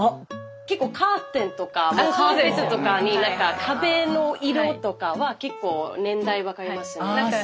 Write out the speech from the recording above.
結構カーテンとかカーペットとかに壁の色とかは結構年代分かれますね。